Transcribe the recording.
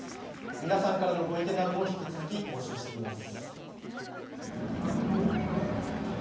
皆さんからのご意見なども引き続き募集しています。